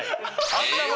あんな笑